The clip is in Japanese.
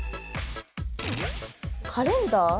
カレンダー？